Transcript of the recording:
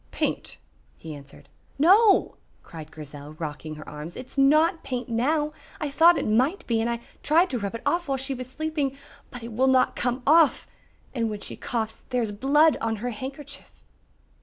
"Paint," he answered. "No," cried Grizel, rocking her arms, "it is not paint now. I thought it might be and I tried to rub it off while she was sleeping, but it will not come off. And when she coughs there is blood on her handkerchief."